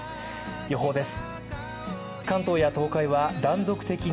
予報です。